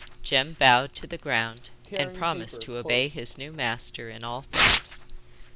Jem bowed to the ground, and promised to obey his new master in all things.